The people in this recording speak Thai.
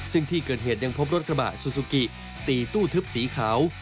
ซึ่งที่เกิดเหตุยังพบรถกระบะซูซูกิตีตู้ทึบสีขาว